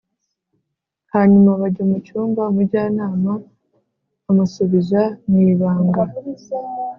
hanyuma bajya mu cyumba umujyanama amusubiza mw’ibanga.